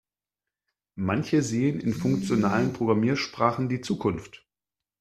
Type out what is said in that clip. Manche sehen in funktionalen Programmiersprachen die Zukunft.